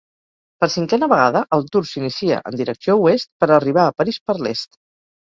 Per cinquena vegada el Tour s'inicia en direcció oest, per arribar a París per l'est.